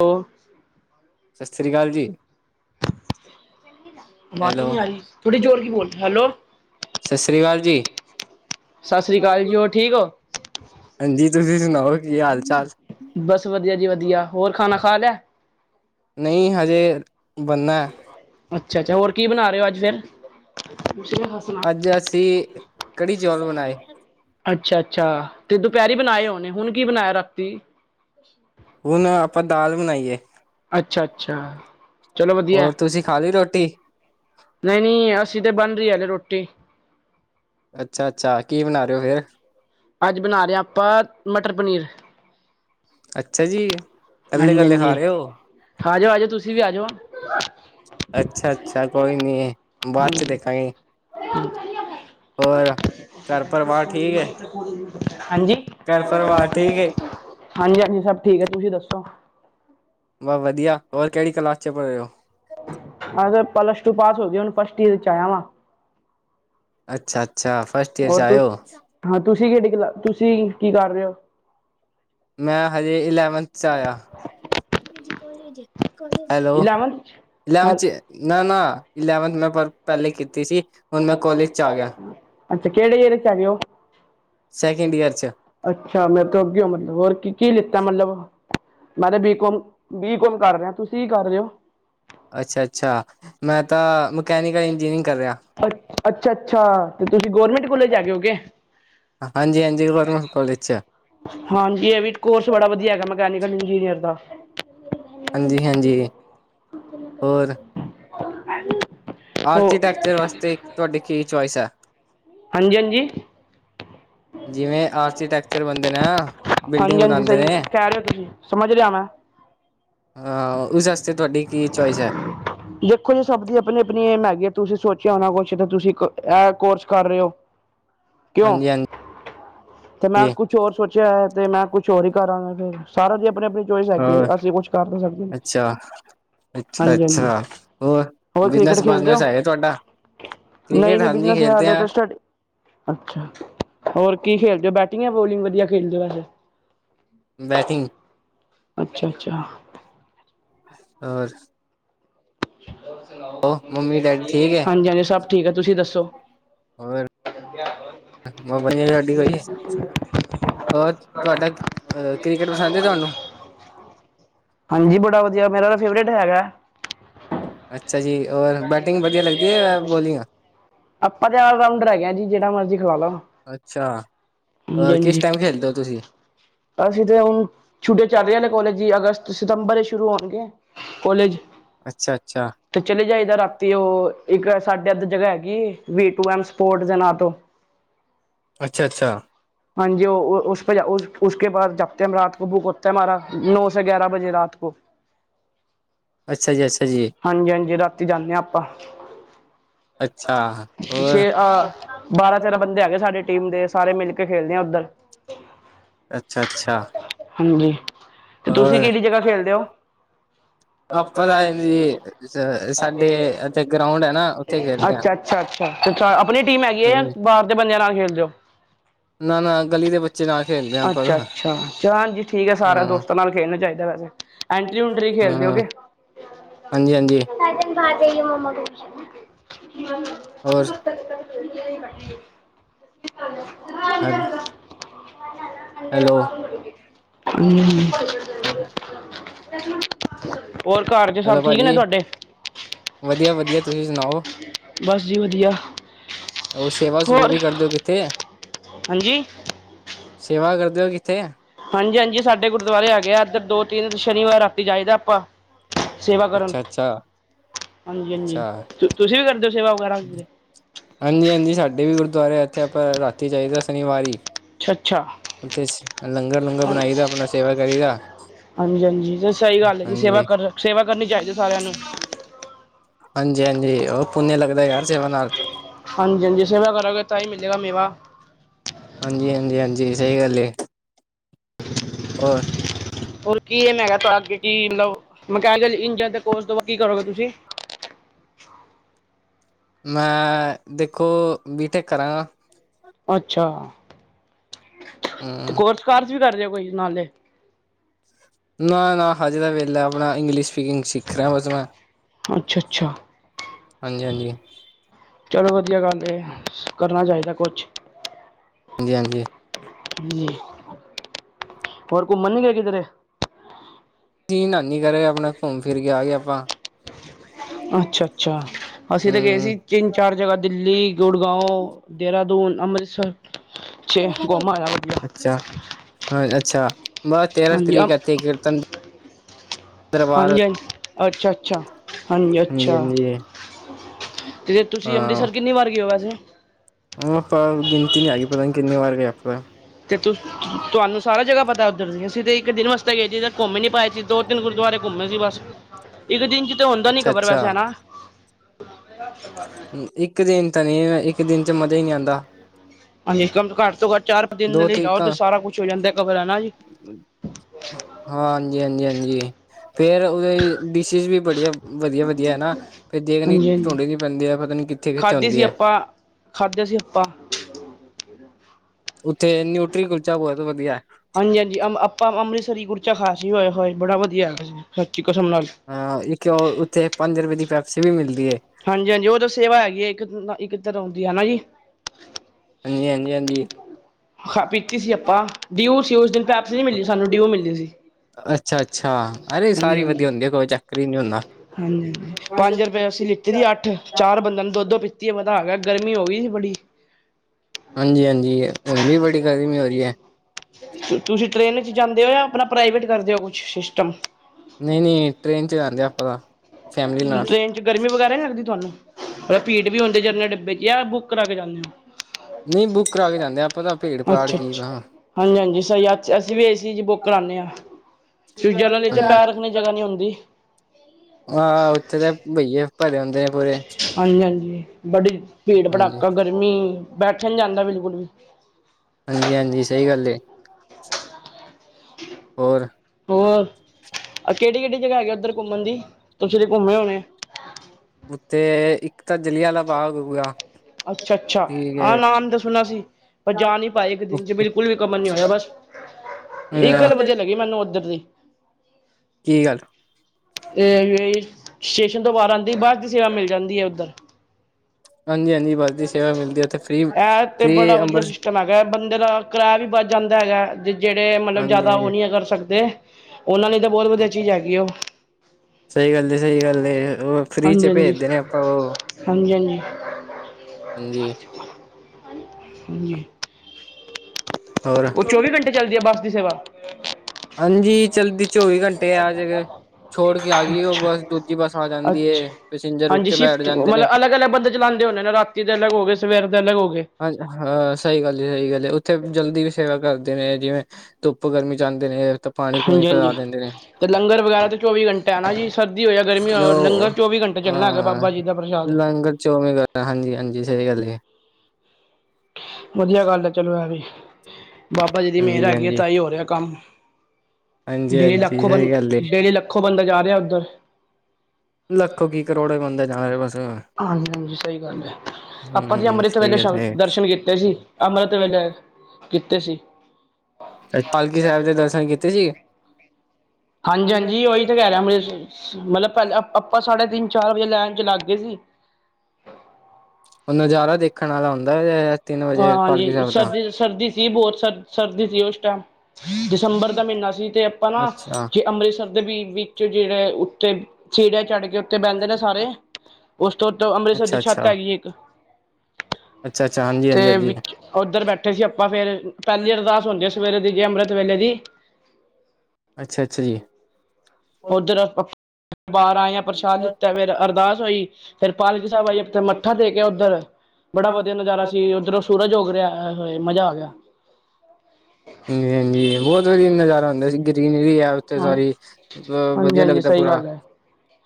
ਲੋ ਸਸਰੀ ਕਾਲ ਜੀ। ਵਾਜ਼ ਨੀ ਹੈਲੋ ਆਰੀ, ਥੋੜੀ ਜੋ਼ਰ ਕੀ ਬੋਲ, ਹੈਲੋ। ਸਤਿ ਸ੍ਰੀ ਅਕਾਲ ਜੀ ਸਾਸ ਰੀ ਕਾਲ ਜੀ, ਹੋਰ ਠੀਕ ਓ? ਹਾਂਜੀ, ਤੁਸੀਂ ਸੁਣਾਓ ਕੀ ਹਾਲ-ਚਾਲ? ਬਸ ਵਧੀਆ ਜੀ, ਵਧੀਆ। ਹੋਰ ਖਾਣਾ ਖਾਲਿਆ? ਨਹੀਂ ਹਜੇ, ਬਣਨੈ। ਅੱਛਾ-ਅੱਛਾ। ਹੋਰ ਕੀ ਬਣਾ ਰਹੇ ਹੋ, ਅੱਜ ਫੇਰ? ਅੱਜ ਅਸੀ, ਕੜੀ-ਚੌਲ ਬਣਾਏ। ਅੱਛਾ ਅੱਛਾ ਏ ਤੇ ਦੁਪਹਿਰੀ ਬਣਾਏ ਹੋਣੇ, ਹੁਣ ਕੀ ਬਣਾਇਆ ਰਾਤੀ। ਹੁਣ ਆਪਾਂ ਦਾਲ ਬਣਾਈ ਏ। ਅੱਛਾ ਅੱਛਾ। ਚਲੋ ਵਧੀਆ ਹੋਰ ਤੁਸੀਂ ਖਾ ਲਈ ਰੋਟੀ। ਨਹੀਂ ਨਹੀਂ ਅਸੀਂ ਤਾਂ, ਬਣ ਰਹੀ ਹਾਲੇ ਰੋਟੀ। ਅੱਛਾ ਅੱਛਾ। ਕੀ ਬਣਾ ਰਹੇ ਹੋ ਫੇਰ? ਅੱਜ ਬਣਾ ਰਹੇ ਹਾਂ ਆਪਾਂ ਮਟਰ-ਪਨੀਰ। ਅੱਛਾ ਜੀ। ਇਕੱਲੇ ਹਾਂਜੀ ਇਕੱਲੇ ਖਾ ਹਾਂਜੀ ਰਹੇ ਹੋ ਆ ਜਾਓ, ਆ ਜਾਓ ਤੁਸੀਂ ਵੀ ਆ ਜਾਓ। ਅੱਛਾ ਅੱਛਾ ਕੋਈ ਨੀ, ਬਾਦ ਚ ਹਾਂਜੀ ਦੇਖਾਂਗੇ। ਹੋਰ ਘਰ ਪਰਿਵਾਰ ਠੀਕ ਏ। ਹਾਂਜੀ ਘਰ ਪਰਿਵਾਰ ਠੀਕ ਏ। ਹਾਂਜੀ ਹਾਂਜੀ ਸਭ ਠੀਕ ਏ। ਤੁਸੀਂ ਦੱਸੋ? ਬਸ ਵਧੀਆ। ਹੋਰ ਕਿੜੀ ਕਲਾਸ ਚ ਪੜ੍ਹ ਰਹੇ ਹੋ? ਹਲੇ ਪਲੱਸ ਟੂ ਪਾਸ ਹੋ ਗੀ ਏ, ਹੁਣ ਫਸਟ ਈਅਰ ਚ ਆਇਆ ਵਾਂ। ਅੱਛਾ ਅੱਛਾ, ਫਸਟ ਈਅਰ ਚ ਹੋਰ ਤੁ ਆਏ ਹੋ। ਹਾਂ ਤੁਸੀ ਕੇੜੀ ਕਲਾਸ, ਤੁਸੀਂ ਕੀ ਕਰ ਰਹੇ ਹੋ? ਮੈਂ ਹਜੇ ਇਲੈਵਨਥ ਚ ਆਇਆ। ਹੈਲੋ ਇਲੈਵੰਥ ਚ ਨਾ ਨਾ, ਇਲੈਵੰਥ ਮੈਂ ਪਰ ਪਹਿਲੇ ਕੀਤੀ ਸੀ, ਹੁਣ ਮੈਂ ਕੋਲੇਜ ਚ ਆ ਗਿਆ। ਅੱਛਾ ਕਿਹੜੇ ਕਿਹੜੇ ਕਹ ਰਹੇ ਹੋ? ਸੈਕਿੰਡ ਈਅਰ ਚ ਅੱਛਾ ਮੇਰੇ ਤੋਂ ਅੱਗੇ ਹੋ, ਮਤਲਬ ਹੋਰ ਕੀ ਕੀ ਲਿੱਤਾ ਮਤਲਬ ਮੈਂ ਤੇ ਬੀਕੋਮ ਬੀਕੋਮ ਕਰ ਰਿਹਾ। ਤੁਸੀ ਕੀ ਕਰ ਰਹੇ ਹੋ? ਅੱਛਾ ਅੱਛਾ, ਮੈਂ ਤਾਂ ਮਕੈਨੀਕਲ ਇੰਨਜੀਨਰਿੰਗ ਕਰ ਰਿਹਾ। ਅੱ ਅੱਛਾ ਅੱਛਾ ਤੇ ਤੁਸੀਂ ਗੌਰਮੈਂਟ ਕੋਲੇਜ ਹੈਗੇ ਔ ਕੇ? ਹਾਂਜੀ ਹਾਂਜੀ ਗੋਰਮੈਂਟ ਕੋਲੇਜ ਚ ਆ। ਹਾਂਜੀ ਇਹ ਵੀ ਕੋਰਸ ਬੜਾ ਵਧੀਆ ਹੈਗਾ, ਮਕੈਨੀਕਲ ਇੰਜੀਨੀਅਰ ਦਾ। ਹਾਂਜੀ, ਹਾਂਜੀ ਹੋਰ ਹੋ ਆਰਕੀਟੈਕਚਰ ਵਾਸਤੇ ਤੁਹਾਡੀ ਕੀ ਚੋਆਇਸ ਹੈ। ਹਾਂਜੀ, ਹਾਂਜੀ ਜਿਵੇਂ ਆਰਕੀਟੈਕਚਰ ਬੰਦੇ ਨੇ, ਬਿਲਡਿੰਗ ਹਾਂਜੀ ਹਾਂਜੀ ਬਣਾਦੇ ਸਹੀ ਨੇ। ਕਹਿ ਰਹੇ ਹੋ ਤੁਸੀਂ ਸਮਝ ਰਿਹਾ ਮੈਂ ਆ, ਉਸ ਵਸਤੇ ਤੁਹਾਡੀ ਕੀ ਚੋਇਸ ਹੈ? ਹ [unintelligible] ਦੇਖੋ ਜੀ ਸਭ ਦੀ ਅਪਣੀ- ਅਪਣੀ ਏਮ ਹੈਗੀ ਏ, ਤੁਸੀਂ ਸੋਚਿਆ ਹੋਨਾ ਕੁਛ ਤਾਂ ਤੁਸੀ ਇਹ ਕੋਰਸ ਕਰ ਰਹੇ ਹੋ। ਕਿਉਂ? ਹਾਂਜੀ ਹਾਂਜੀ ਤੇ ਮੈਂ ਕੁਛ ਹੋਰ ਸੋਚਿਆ ਹੈ ਤੇ ਮੈਂ ਕੁਛ ਚੋਰੀ ਕਰਾਂਗੇ ਫੇਰ ਸਾਰੇਆਂ ਦੀ ਆਪਣੀ ਆਪਣੀ ਚੋਇਸ ਹੈਗੀ ਹੋਰ ਅਸੀਂ ਕੁਛ ਕਰ ਨੀ ਸਕਦੇ। ਨਹੀਂ ਅੱਛਾ, ਅੱਛਾ, ਹਾਂਜੀ ਹਾਂਜੀ ਅੱਛਾ। ਹੋਰ ਹੋਰ ਬਿਜਨਸ ਕ੍ਰਿਕਟ ਖੇਲਦੇ ਬੁਜਨਸ ਹੋ ਹੈਗਾ ਤੁਹਾਡਾ। ਨਹੀਂ ਕ੍ਰਿਕਟ ਨਹੀਂ ਹਾਂਜੀ ਬਿਜਨਸ ਖੇਲਦੇ ਹਾਲੇ ਆ ਤੇ ਅੱਛਾ ਹੋਰ ਕੀ ਖੇਡਦੇ ਹੋ? ਬੈਟਿੰਗ ਯਾ ਬੋਲਿੰਗ ਵਧੀਆ ਖੇਡਦੇ ਹੋ ਵੈਸੇ ਬੈਟਿੰਗ ਅੱਛਾ ਅੱਛਾ। ਹੋਰ ਉਹ ਮੰਮੀ ਡੈਡੀ ਠੀਕ ਹੈ ਹਾਂਜੀ ਹਾਂਜੀ ਸਭ ਠੀਕ ਏ। ਤੁਸੀਂ ਦੱਸੋ? ਹੋਰ ਬਣੀ ਸਾਡੀ ਕੋਈ [inaudible] ਹੋਰ ਤੁਹਾਡਾ ਕ੍ਰਿਕੇਟ ਪਸੰਦ ਏ ਤੁਹਾਨੂੰ? ਹਾਂਜੀ ਬੜਾ ਵਧੀਆ, ਮੇਰਾ ਤਾਂ ਫੇਵਰੇਟ ਹੈਗਾ। ਅੱਛਾ ਜੀ ਔਰ, ਬੈਟਿੰਗ ਵਧੀਆ ਲੱਗਦੀ ਹੈ ਯਾ ਬੋਲਿੰਗ। ਆਪਾਂ ਤਾਂ ਆਲ ਰਾਊਂਡਰ ਹੈ ਗਿਆ ਜੀ, ਜਿਹੜਾ ਮਰਜ਼ੀ ਖ ਲਾ ਲੋ। ਅੱਛਾ ਹੋਰ ਕਿਸ ਟਾਈਮ ਖੇਡਦੇ ਓ ਤੁਸੀਂ? ਅਸੀਂ ਤੇ ਹੁਣ ਛੁੱਟੀਆਂ ਚੱਲ ਰਹੀਆਂ ਨੇ ਕਾਲਜ ਅਗਸਤ, ਸਤੰਬਰ ਹੀ ਸ਼ੁਰੂ ਹੋਣਗੇ। ਕਲੇਜ ਅੱਛਾ, ਅੱਛਾ ਤੇ ਚਲੇ ਜਾਏਦਾ ਰਾਤੀ। ਉਹ, ਇੱਕ ਸਾਡੇ ਅੱਧ ਜਗ੍ਹਾ ਹੈ ਗੀ। ਵੀ- ਟੂ- ਐਮ ਸਪੋਰਟ ਦੇ ਨ ਤੋਂ ਅੱਛਾ, ਅੱਛਾ ਹਾਂਜੀ ਉਹ, ਉਸ, ਉਸ ਕੇ, ਬਾਦ ਜਾਤੇ ਰਾਤ ਕੋ ਬੁਕ ਹੋਤਾ ਹੇ ਹਮਾਰਾ। ਨੌ ਸੇ ਗਿਆਰਾਂ ਬਜੇ ਰਾਤ ਕੁ [unintelligible] ਅੱਛਾ ਜੀ, ਅੱਛਾ ਜੀ ਹਾਂਜੀ, ਹਾਂਜੀ ਰਾਤੀ ਜਾਂਨੇ ਹਾਂ ਆਪਾਂ। ਅੱਛਾ ਛੇ ਹੋਰ ‌ਆਹ ਬਾਰਾਂ ਤੇਰਾਂ ਬੰਦੇ ਹੈਗੇ ਸਾਡੇ ਟੀਮ ਦੇ। ਸਾਰੇ ਮਿਲ ਕੇ ਖੇਲਨੇ ਆ ਉੱਧਰ। ਅੱਛਾ ਅੱਛਾ ਹਾਂਜੀ, ਤੇ ਤੁਸੀਂ ਹੋਰ ਕਿਹੜੀ ਜਗ੍ਹਾ ਖੇਲਦੇ ਓ? ਆਪਾਂ [unintelligible] ਤਾਂ ਜੀ ਸਾਡੇ ਇਥੇ ਗਰਾਊਂਡ ਹੈ ਨਾ ਉੱਥੇ ਖੇਲਦੇ ਹਾਂ ਅੱਛਾ, ਅੱਛਾ, ਅੱ, ਅੱਛਾ। ਆਪਣੀ ਟੀਮ ਹੈਗੀ ਹੈ। ਜਾਂ ਹਾਂਜੀ ਬਾਹਰ ਦੇ ਬੰਦਿਆਂ ਨਾਲ ਖੇਲ ਦੇ ਓ? ਨਾ ਨਾ ਗਲੀ ਦੇ ਬੱਚੇ ਨਾਲ ਖੇਲਦੇ ਆ ਆਪਾਂ ਤਾਂ ਅੱਛਾ, ਅੱਛਾ, ਚ ਹਾਂਜੀ ਠੀਕ ਹੈ ਸਾਰਾ ਹਾਂ ਦੋਸਤਾਂ ਨਾਲ ਖੇਡਣਾ ਚਾਹੀਦਾ ਵੈਸੇ। ਐਟ੍ਰੀ ਉਟ੍ਰੀ ਖੇਲਦੇ ਹੋ ਹਾਂ ਕੇ? ਹਾਂਜੀ ਹਾਂਜੀ [unintelligible] [unintelligible] ਹੋਔਰ [unintelligible] [unintelligible] ਹਾਂਜੀ। [unintelligible] [unintelligible] ਹੋਰ, ਘਰ ਚ ਸਭ ਹੈਲੋ ਠੀਕ ਨੇ ਭਾਜੀ ਤੁਹਾਡੇ? ਵਧੀਆ ਵਧੀਆ! ਤੁਸੀਂ ਸੁਣਾਓ। ਬਸ ਜੀ ਵਧੀਆ ਉਹ ਸੇਵਾ ਸੁਵਾ ਹੋਰ ਵੀ ਕਰਦੇ ਓ ਕਿੱਥੇ? ਹਾਂਜੀ ਸੇਵਾ ਕਰਦੇ ਓ ਕਿੱਥੇ ਹਾਂਜੀ‌, ‌‌ਹਾਂਜੀ ਸਾਡੇ ਗੁਰਦੁਆਰੇ ਹੈਗੇ ਆ ਇੱਧਰ ਦੋ ਤਿੰਨ ਸ਼ਨੀਵਾਰ ਰਾਤੀ ਜਾਈਦਾ ਆਪਾਂ। ਸੇਵਾ ਕਰਨ ਅੱਛਾ ਅੱਛਾ, ਹਾਂਜੀ ਹਾਂਜੀ, ਅੱਛਾ ਤੁਸੀਂ ਵੀ ਕਰਦੇ ਹੋ ਸੇਵਾ ਵਗੈਰਾ ਹਾਂਜੀ ਹਾਂਜੀ, ਸਾਡੇ ਵੀ ਗੁਰਦੁਆਰੇ ਇੱਥੇ ਆਪਾਂ ਰਾਤੀ ਜਾਈਦਾ ਸ਼ਨੀਵਾਰ ਈ। ਅੱਛਾ ਅੱਛਾ- ਉੱਥੇ ਲੰਗਰ, ਲੂੰਗਰ ਹਾਂ, ਬਣਾਈ ਦਾ, ਆਪਣਾ ਸੇਵਾ ਕਰੀ ਦਾ ਹਾਂਜੀ, ਹਾਂਜੀ ਤੇ ਸਹੀ ਗੱਲ ਹੈ ਜੀ। ਸੇਵਾ ਹਾਂਜੀ ਕਰ, ਸੇਵਾ ਕਰਨੀ ਚਾਹੀਦੀ ਸਾਰਿਆਂ ਨੂੰ। ਹਾਂਜੀ, ਹਾਂਜੀ ਉਹ ਪੁੰਨ ਲੱਗਦਾ ਯਾਰ ਸੇਵਾ ਨਾਲ। ਹਾਂਜੀ, ਹਾਂਜੀ ਸੇਵਾ ਕਰੋਗੇ, ਤਾਂ ਈ ਮਿਲੇਗਾ ਮੇਵਾ। ਹਾਂਜੀ, ਹਾਂਜੀ, ਹਾਂਜੀ ਸਹੀ ਗੱਲ ਏ। ਹੋਰ। ਹੋਰ ਕੀ ਏਮ ਹੈਗ ਤੁਹਾਡਾ, ਅੱਗੇ ਕੀ, ਮਤਲਬ ਮਕੈਨੱਕ ਇੰਅਰ [unintelligible] ਦੇ ਕੋਰਸ ਤੋਂ ਕੀ ਕਰੋਗੇ ਤੁਸੀਂ? ਮੈਂ ਦੇਖੋ ਬੀਟੈਕ ਕਰਾਂ ਅੱਛਾ! ਤੇ ਹਮ ਕੋਰਸ, ਕਾਰਸ ਵੀ ਕਰ ਰਹੇ ਕੋਈ ਨਾਲੇ। ਨਾ, ਨਾ ਹਜੇ ਤਾਂ ਵੇਲਾ ਆਪਣਾ ਇੰਗਲਿਸ਼। ਸਪੀਕਿੰਗ ਸਿੱਖ ਰਿਹਾ ਬਸ ਮੈਂ, ਅੱਛਾ ਅੱਛਾ ਹਾਂਜੀ ਹਾਂਜੀ। ਚਲੋ ਵਧੀਆ ਗੱਲ ਏ, ਕਰਨਾ ਚਾਹੀਦਾ ਕੁਛ। ਜੀ ਹਾਂਜੀ, ਹੋਰ ਘੁੰਮਣ ਨਹੀਂ ਗਏ ਕਿਧਰੇ ਕੀ ਨਾਨੀ ਘਰ ਆਪਣਾ ਘੁੰਮ ਫਿਰ ਕੇ ਆ ਗਏ ਆਪਾਂ। ਅੱਛਾ ਅੱਛਾ‌, ਅਸੀਂ ਤੇ ਗਏ ਹੂੰ ਸੀ ਤਿੰਨ ਚਾਰ ਜਗਾ ਦਿੱਲੀ, ਗੁੜਗਾਂਵ ‌‌, ਦੇਹਰਾਦੂਨ, ਅੰਮ੍ਰਿਤਸਰ ਪਿਛੇ ਘੋਮ ਆਇਆਂ ਵਧੀਆ। ਆ ਅੱਛਾ, ਬਸ ਤੇਰਾਂ ਹਾਂਜੀ ਅ ਤਰੀਕ ਇਥੇ ਕੀਰਤਨ ਦਰਬਾਰ ਹਾਂਜੀ ਹਾਂਜੀ ਅੱਛਾ ਅੱਛਾ, ਹਾਂਜੀ ਅੱਛਾ, ਤੇ ਤੁਸੀਂ ਅੰਮਿਤਸਰ ਕਿੰਨੀ ਵਾਰ ਗਏ ਔ ਵੈਸੇ ਹੂਣ ਆਪਾ ਗਿਣਤੀ ਨਹੀ ਹੈਗੀ ਪਤਾ ਨੀ ਕਿਨੀ ਵਾਰ ਗਏ ਆਂ ਆਪਾ। ਕੇ ਤੁ ਤੁਹਾਨੂੰ, ਸਾਰਾ ਜਗ੍ਹਾ ਪਤਾ ਉੱਦਰ ਦਿਆਂ ਅਸੀਂ ਤੇ ਇੱਕ ਦਿਨ ਵਾਸਤੇ ਗਏ ਸੀ ਤੇ ਘੁੰਮ ਨੀ ਪਈ ਜੀ ਦੋ ਤਿੰਨ ਗੁਰਦੁਆਰੇ ਘੁੰਮੇ ਸੀ ਬਸ, ਇਕ ਦਿਨ 'ਚ ਤੇ ਹੁੰਦਾ ਨੀ ਅੱਛਾ ਸਫਰ ਅੱਛਾ ਵੈਸੇ ਹੈਨਾ। ਇੱਕ ਦਿਨ ਤਾਂ ਨਹੀਂ, ਇੱਕ ਦਿਨ 'ਚ ਮਜ਼ਾ ਹੀ ਨਹੀਂ ਆਉਂਦਾ। ਹਾਂਜੀ, ਕਮ ਘੱਟ ਤੋਂ ਘੱਟ ਚਾਰ ਦਿਨ ਦੇ ਦੋ ਲਈ ਜਾਓ ਤੇ ਤਰੀਕਾਂ ਸਾਰਾ ਕੁੱਛ ਹੋ ਜਾਂਦਾ ਕਵਰ ਹਨਾ ਜੀ। ਹਾਂ ਹਾਂਜੀ‌, ਹਾਂਜੀ ਹਾਂਜੀ, ਫੇਰ ਉਹਦੇ ਡਿਸ਼ਿਜ਼ ਵੀ ਬੜੀਆ ਵਧੀਆ ਵਧੀਆ ਹੈਨਾ। ਫੇਰ ਦੈਗਨੀ ਹਾਂਜੀ ਹਾਂਜੀ ਧੌਨੀ ਤਾਂ ਪੈਂਦੀ ਐ ਪਤਾ ਨੀ ਕਿੱਥੇ ਕਿੱਥੇ ਖਾਧੀ ਸੀ ਆਉਂਦੀ ਹੈ। ਆਪਾਂ ਖਾਧੇ ਸੀ ਆਪਾਂ ਉੱਥੇ ਨਿਊਟਰੀ ਕੁਲਚਾ ਬਹੁਤ ਵਧੀਆ। ਹਾਂਜੀ ਹਾਂਜੀ ‌‌‌, ਅ ਆਪਾਂ ਅੰਮ੍ਰਿਤਸਰ ਹੀ ਕੁਲਚਾ ਖਾਆ ਸੀ ਹੋਏ ਹੋਏ ਬੜਾ ਵਧੀਆ ਸੀ ਸੱਚੀ ਕਸਮ ਨਾਲ। ਹਾਂ ਇੱਕ ਉੱਥੇ ਪੰਜ ਰੁਪਏ ਦੀ ਪੈਪਸੀ ਵੀ ਮਿਲਦੀ ਏ। ਹਾਂਜੀ ਹਾਂਜੀ, ਔਹ ਤਾਂ ਸੇਵਾ ਹੈਗੀ ਹੈ ਇੱਕ ਇੱਕ ਤਰਾ ਦੀ ਦੀ ਹੈਨਾ ਜੀ। ਹਾਂਜੀ ਹਾਂਜੀ, ਹਾਂਜੀ‌, ਖਾ ਪੀਤੀ ਸੀ ਆਪਾਂ ਡਿਊ ਸੀ ਉਸ ਦਿਨ ਪੈਪਸੀ ਨੀ ਮਿਲੀ, ਸਾਨੂੰ ਡਿਊ ਮਿਲੀ ਸੀ। ਅੱਛਾ ਅੱਛਾ, ਅਰੇ ਸਾਰੀ ਵਧੀਆ ਹੁੰਦੀ ਆ ਕੋਈ ਚਕਰ ਵੀ ਨਹੀਂ ਹੁੰਦਾ। ਹੂੰਹੂੰ ‌‌, ਹਾਂਜੀ ਪੰਜ ਰੁਪਏ ਅਸਲੀ। ਲਈਆ ਅੱਠ, ਚਾਰ ਬੰਦਿਆਂ ਨੇ ਦੋ ਦੋ ਪੀਤੀ ਮਜਾ ਆ ਗਿਆ ਗਰਮੀ ਹੋ ਗਈ ਬੜੀ। ਹਾਂਜੀ ਹਾਂਜੀ, ਹੁਣ ਵੀ ਬੜੀ ਗਰਮੀ ਹੋ ਰਹੀ ਹੈ। ਤੁਸੀਂ ਟ੍ਰੇਨ ਵਿੱਚ ਜਾਂਦੇ ਹੋ, ਯਾ ਆਪਣਾ ਪ੍ਰਾਈਵੇਟ ਕਰਦੇ ਹੋ ਕੁਛ ਸਿਸਟਮ। ਨਹੀਂ ਨਹੀਂ, ਟ੍ਰੇਨ 'ਚ ਜਾਂਦੇ ਆਪਾਂ ਤਾਂ। ਫੈਮਿਲੀ ਨਾਲ ਟ੍ਰੇਨ 'ਚ ਗਰਮੀ ਵਗੈਰਾ ਨ ਲੱਗਦੀ ਤੁਹਾਨੂੰ ਭੀੜ ਵੀ ਹੁੰਦੀ, ਜਰਨਲ ਡੱਬੇ ਚ ਯਾ ਬੁੱਕ ਕਰਾ ਕੇ ਜਾਂਦੇ ਹੋ, ਨਹੀਂ ਬੁੱਕ ਕਰਾ ਕੇ ਜਾਂਦੇ ਆਪਾਂ ਤਾਂ, ਭੀੜ ਹੋ ਪਾੜ ਅੱਛਾ ਕੀ ਅੱਛਾ ਹਾਂਜੀ ਹਾਂਜੀ ਸਹੀ ਅੱ, ਅਸੀਂ ਵੀ ਏ ਸੀ ਦੀ ਬਸ ਬੁੱਕ ਕਰਉਂਦੇ ਹਾਂ ਫਿਰ ਜਰਨਲ ਵਾਲੀ 'ਚ ਲਈ ਚ ਪੈਰ ਰੱਖਣੀ ਦੀ ਜਗ੍ਹਾ ਨੀ ਹੁੰਦੀ। ਹਾਂ ਉਹ ਤਾ ਭਈਏ ਭਰੇ ਹੁੰਦੇ ਆ ਪੂਰੇ ਹਾਂਜੀ ਹਾਂਜੀ, ਬੜੀ ਭੀੜ ਹਾਂਜੀ ਭੜਾਕਾ ਗਰਮੀ ਬੈਠਾ ਨਹੀ ਜਾਂਦਾ ਬਿਲਕੁਲ ਵੀ। ਹਾਂਜੀ ਹਾਂਜੀ, ਸਹੀ ਗੱਲ ਏ। ਹੋਰ ਹੋਰ, ਆ ਕਿਹੜੀ ਕਿਹੜੀ ਜਗ੍ਹਾ ਹੈਗੀ ਉੱਧਰ ਘੁੰਮਣ ਦੀ ਤੁਸੀਂ ਤੇ ਘੁੰਮੇ ਹੋਣੇ। ਤੇ ਇੱਕ ਤਾਂ ਜਲਿਆਂ ਵਾਲਾ ਦਾ ਬਾਗ ਹੋ ਗਿਆ। ਅੱਛਾ ਅੱਛਾ, ਆਹ ਨਾਮ ਤਾ ਸੁਣਾ ਸੀ। ਪਰ ਜਾ ਨਹੀਂ ਪਾਏ ਇੱਕ ਦਿਨ 'ਚ ਬਿਲਕੁਲ ਅਮਲ ਨੀ ਹੋਇਆ ਬਸ। ਇੱਕ ਗੱਲ ਵਧੀਆ ਲੱਗੀ ਮੈਨੂੰ ਉੱਧਰ ਦੀ ਕੀ ਗੱਲ ਏਐਏ ਏਐਏ ਸਟੇਸ਼ਨ ਤੋਂ ਬਾਹਰ ਆਉਂਦੀ ਬੱਸ ਦੀ ਸੇਵਾ ਮਿਲ ਜਾਂਦੀ ਹੈ ਉੱਧਰ। ਹਾਂਜੀ ਹਾਂਜੀ, ਬੱਸ ਦੀ ਸੇਵਾ ਮਿਲਦੀ ਹੈ ਉੱਥੇ ਫ੍ਰੀ ਫਰੀ ਅੰਬਰਸਰ। ਮੈ ਕਿਹਾ ਬੰਦੇ ਦਾ ਕਿਰਾਇਆ ਵੀ ਬੱਚ ਜਾਂਦਾ ਹੈਗਾ, ਜੇ ਜਿਹੜੇ ਮਤਲਬ ਜ਼ਿਆਦਾ ਉਹ ਹਾਂਜੀ ਨਹੀਂ ਹੈ ਭਰ ਸਕਦੇ। ਉਹਨਾਂ ਲਈ ਤਾਂ ਬਹੁਤ ਵਧੀਆ ਚੀਜ਼ ਹੈਗੀ ਏ। ਸਹੀ ਗੱਲ ਸਹੀ ਗੱਲ, ਉਹ ਫਰੀ 'ਚ ਹਾਂਜੀ-ਹਾਂਜੀ, ਭੇਜਦੇ ਨੇ ਆਪਾਂ ਉਹ ਹਾਂਜੀ ਹਾਂਜੀ। ਹਾਂਜੀ। ਹਾਂਜੀ। ਹੋਰ ਉਹ ਚੌਵੀ ਘੰਟੇ ਚੱਲਦੀ ਹੈ ਬੱਸ ਦੀ ਸੇਵਾ ਹਾਂਜੀ ਚਲਦੀ ਚੌਵੀ ਘੰਟੇ ਆ ਜੇ ਛੋੜ ਕੇ ਆ ਗਈ ਉਹ ਬਸ ਅੱਛਾ-ਅੱਛਾ। ਦੂਜੀ ਬੱਸ ਆ ਜਾਂਦੀ ਹੈ ਪੈਸਿੰਜਰ ਉਚੇ ਬੈਠ ਜਾਂਦੇ ਨੇ ਚਲਾਉਦੇ ਹੁੰਦੇ ਨੇ ਰਾਤੀ ਦੇ ਅਲਗ ਹੋ ਗਏ ਸਵੇਰ ਦੇ ਅਲਗ ਹੋ ਗਏ ਹਾਂ ਹਾਂ ਸਹੀ ਗੱਲ ਹੈ ਸਹੀ ਗੱਲ ਹੈ ਉੱਥੇ ਜਲਦੀ ਵੀ ਸੇਵਾ ਕਰਦੇ ਨੇ ਜਿਵੇਂ ਧੁੱਪ ਗਰਮੀ ਚ ਆਂ ਨੇ ਤਾਂ ਪਾਣੀ ਪੂਣੀ ਹਾਂਜੀ ਪਿਲਾ ਹਾਂਜੀ ਦਿੰਦੇ ਨੇ ਤੇ ਲੰਗਰ ਵਗੈਰਾ ਤੇ ਚੌਵੀ ਘੰਟੇ ਹੈ ਨਾ ਜੀ ਸਰਦੀ ਹੋਵੇ ਜਾਂ ਗਰਮੀ ਹੋ ਲੋ ਲੰਗਰ ਚੌਵੀ ਘੰਟੇ ਚੱਲਣਾ ਹੈਗਾ ਹਾਂ ਬਾਬਾ ਜੀ ਦਾ ਪ੍ਰਸ਼ਾਦ ਲੰਗਰ ਚੋਂਵੀ ਘੰਟੇ ਹਾਂਜੀ ਹਾਂਜੀ ਸਹੀ ਗੱਲ ਵਧੀਆ ਗੱਲ ਤਾਂ ਚਲੋ ਐ ਵੀ ਬਾਬਾ ਜਦੀ ਮਿਹਰ ਹਾਂਜੀ ਹੈਗੀ ਆ ਹਾਂਜੀ। ਤਾਂ ਹੀ ਹੋ ਰਿਹਾ ਕੰਮ ਹਾਂਜੀ ਡੇਲੀ ਹਾਂਜੀ ਲੱਖੋਂ ਬੰ ਸਹੀ ਗੱਲ ਜੀ। ਡੇਲੀ ਲੱਖੋਂ ਬੰਦਾ ਜਾ ਰਿਹਾ ਉੱਧਰ ਲੱਖੋ ਕੀ ਕਰੋੜ ਬੰਦੇ ਜਾ ਰਿਹਾ ਬਸ ਹਾਂਜੀ ਹਾਂਜੀ ਸਹੀ ਗੱਲ ਹੈ। ਆਪਾਂ ਜੀ ਹੂੰ ਅੰਮ੍ਰਿਤ ਸਹੀ ਵੇਲੇ ਸ਼ ਗੱਲ ਦਰਸ਼ਨ ਏ। ਕੀਤੇ ਸੀ ਅੰਮ੍ਰਿਤ ਵੇਲੇ ਕੀਤੇ ਸੀ। ਪਲਕੀ ਸਾਹਿਬ ਦੇ ਦਰਸ਼ਨ ਕੀਤੇ ਸੀ। ਹਾਂਜੀ ਹਾਂਜੀ ਉਹੀ ਤਾਂ ਕਹਿ ਰਿਹਾ ਅੰਮ੍ਰਿਤਸਰ ਮਤਲਬ ਪਹਿਲਾਂ ਆਪਾਂ ਸਾਢੇ ਤਿੰਨ ਚਾਰ ਵਜੇ ਲੈਣ ਚ ਲੱਗ ਗਏ ਸੀ। ਉਹ ਨਜ਼ਾਰਾ ਦੇਖਣ ਵਾਲਾ ਹੁੰਦਾ ਤਿੰਨ ਵਜੇ ਪਲਕੀ ਹਾਂਜੀ ਸਾਹਿਬ ਦਾ ਸਰਦੀ ਸਰਦੀ ਸੀ ਬਹੁਤ ਸਰ ਸਰਦੀ ਸੀ ਉਸ ਟਾਈਮ ਦਸੰਬਰ ਦਾ ਮਹੀਨਾ ਸੀ ਤੇ ਆਪਾਂ ਨਾ ਅੱਛਾ ਜੇ ਅੰਮ੍ਰਿਤਸਰ ਦੇ ਵਿੱਚ ਜਿਹੜੇ ਉੱਥੇ ਸੀੜਿਆ ਚੜ੍ਹ ਕੇ ਤੇ ਬਹਿੰਦੇ ਨੇ ਸਾਰੇ ਉਸ ਤੋਂ ਉਤੋਂ ਅੰਮ੍ਰਿਤਸਰ ਦੀ ਅੱਛਾ ਛੱਤ ਹੈਗੀ ਇੱਕ ਅੱਛਾ-ਅੱਛਾ ਹਾਂਜੀ ਤੇ ਹਾਂਜੀ ਹਾਂਜੀ ਉੱਧਰ ਬੈਠੇ ਸੀ ਆਪਾਂ ਫੇਰ ਪਹਿਲੀ ਅਰਦਾਸ ਹੁੰਦੀ ਆ ਸਵੇਰੇ ਦੀ ਜੇ ਅੰਮ੍ਰਿਤ ਵੇਲੇ ਦੀ ਅੱਛਾ-ਅੱਛਾ ਜੀ। ਉਧਰ ਬਾਰ ਆਇ ਪ੍ਰਸ਼ਾਦ ਦਿੱਤਾਂ ਫੇਰ ਅਰਦਾਸ ਹੋਈ ਫਿਰ ਪਾਲਕੀ ਸਾਹਿਬ ਆਈ ਮੱਥਾ ਟੇਕਿਆ ਉੱਧਰ ਬੜਾ ਵਧੀਆ ਨਜ਼ਾਰਾ ਸੀ ਉੱਧਰੋਂ ਸੂਰਜ ਉਗ ਰਿਹਾ ਮਜ਼ਾ ਆ ਗਿਆ ਹਾਂਜੀ ਹਾਂਜੀ ਬਹੁਤ ਵਧੀਆ ਨਜ਼ਾਰਾ ਹੁੰਦਾ ਸੀ ਗਿਰਵੀ ਹਾਂ ਹਾਂਜੀ ਹਾਂਜੀ ਸਹੀ ਪੂਰਾ ਗੱਲ ਹੈ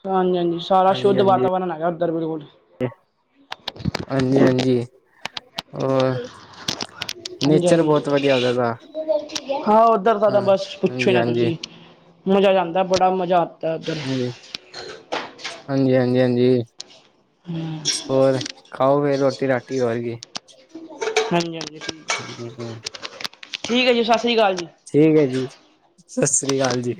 ਹਾਂਜੀ ਹਾਂਜੀ ਸਾਰਾ ਹਾਂਜੀ ਸ਼ੁੱਧ ਹਾਂਜੀ ਵਾਤਾਵਰਨ ਹੈਗਾ ਧਰਮ ਰੋਡ ਹਾਂਜੀ ਹਾਂਜੀ। ਔਰ ਹਾਂਜੀ ਨੇਚਰ ਹਾਂਜੀ। ਬਹੁਤ ਵਧੀਆ ਹੁੰਦਾ ਦਾ ਹਾਂ ਉੱਧਰ ਦਾ ਤਾਂ ਹਾਂ ਬਸ ਪੁੱਛੋ ਹੀ ਹਾਂਜੀ ਨਾ ਹਾਂਜੀ ਤੁਸੀਂ ਮਜ਼ਾ ਆ ਜਾਂਦਾ ਬੜਾ ਮਜ਼ਾ ਆਂਦਾ ਉਧਰ ਹਾਂਜੀ-ਹਾਂਜੀ-ਹਾਂਜੀ। ਹਮ। ਹੋਰ ਖਾਓ ਫੇਰ ਰੋਟੀ ਰਾਟੀ ਹੋਏ ਗਈ ਹਾਂਜੀ ਹਾਂਜੀ [unintelligible] ਠੀਕ ਹੈ ਜੀ ਸਤਿ ਸ੍ਰੀ ਅਕਾਲ ਜੀ ਠੀਕ ਹੈ ਜੀ ਸਤਿ ਸ੍ਰੀ ਅਕਾਲ ਜੀ।